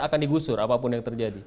akan digusur apapun yang terjadi